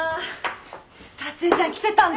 幸江ちゃん来てたんだ！